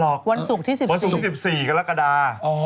ไม่เอาสิมอสวันศุกร์ที่๑๔กรกฎา